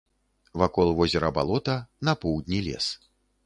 Вакол возера балота, на поўдні лес.